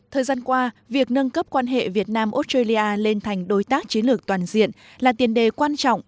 thời gian qua việc nâng cấp quan hệ việt nam australia lên thành đối tác chiến lược toàn diện là tiền đề quan trọng